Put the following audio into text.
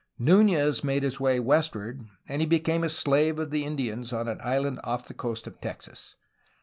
Nunez made his way westward, and became a slave of the Indians on an island off the coast of Texas.